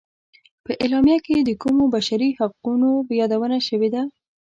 په اعلامیه کې د کومو بشري حقونو یادونه شوې ده.